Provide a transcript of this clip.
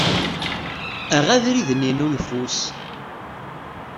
Aɣ abrid-nni n uyeffus.